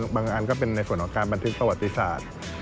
อันก็เป็นในส่วนของการบันทึกประวัติศาสตร์